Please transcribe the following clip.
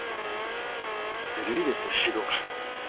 ずるいですよ指導官。